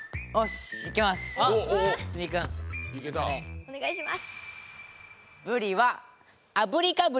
お願いします。